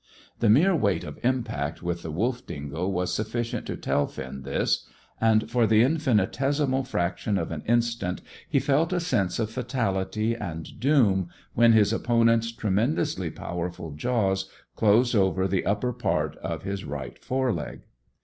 The mere weight of impact with the wolf dingo was sufficient to tell Finn this, and for the infinitesimal fraction of an instant he felt a sense of fatality and doom when his opponent's tremendously powerful jaws closed over the upper part of his right fore leg.